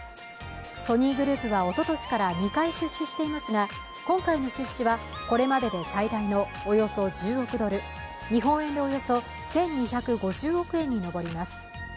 ソニーグループは、おととしから２回出資していますが今回の出資はこれまでで最大のおよそ１０億ドル、日本円でおよそ１２５０億円に上ります。